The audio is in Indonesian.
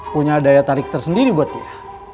punya daya tarik tersendiri buatnya